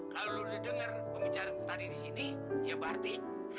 kalau lo udah denger pembicaraan tadi di sini ya berarti